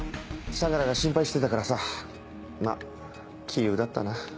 相良が心配してたからさまぁ杞憂だったな。